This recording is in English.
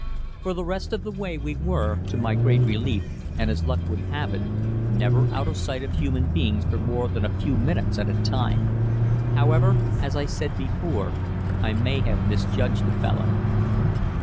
For the rest of the way we were, to my great relief, and as luck would have it, never out of sight of human beings for more than a few minutes at a time. However, as I said before, I may have misjudged the fellow.